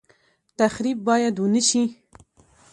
تخریب باید ونشي